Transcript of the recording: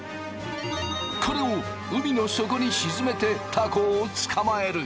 これを海の底に沈めてたこを捕まえる。